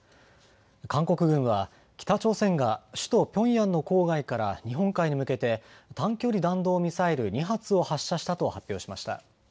韓国軍は北朝鮮が首都ピョンヤンの郊外から日本海に向けて短距離弾道ミサイル２発を発射したと発表しました。